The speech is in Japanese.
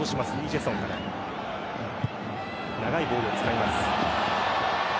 長いボールを使います。